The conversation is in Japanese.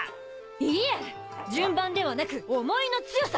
いえ順番ではなく思いの強さ！